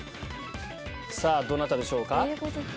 さぁどなたでしょうか？